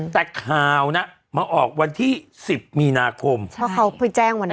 แต่ข่าวน่ะมาออกวันที่สิบมีนาคมเพราะเขาไปแจ้งวันนั้น